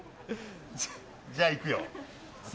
じゃあ、いくよ。